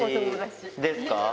ですか？